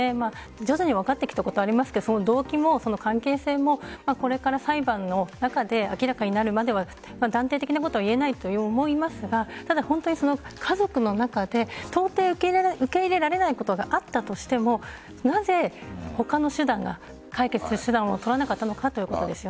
徐々に分かってきたことありますけどその動機も、関係性もこれから裁判の中で明らかになるまでは断定的なことはいえないと思いますがただ、本当に家族の中で到底、受け入れられないことがあったとしてもなぜ他の解決する手段を取らなかったのかということですよ。